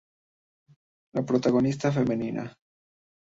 La protagonista femenina.